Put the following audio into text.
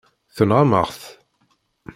Tenɣam-aɣ-t.